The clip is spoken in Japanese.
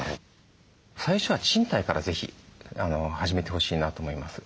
最初は賃貸からぜひ始めてほしいなと思います。